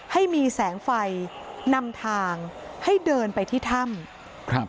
ให้มีแสงไฟนำทางให้เดินไปที่ถ้ำครับ